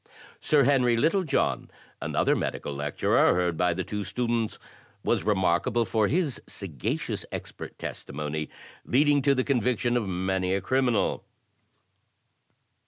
Sir Henry Littlejohn, another medical lecturer, heard by the two students, was remarkable for his sagacious expert testimony, leading to the conviction of many a criminal.